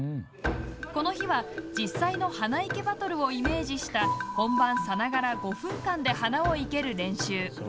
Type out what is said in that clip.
この日は実際の花いけバトルをイメージした、本番さながら５分間で花を生ける練習。